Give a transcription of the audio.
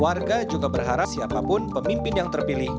warga juga berharap siapapun pemimpin yang terpilih